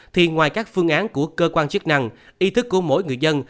thì ngoài các phương án của cơ quan chức năng ý thức của mỗi người dân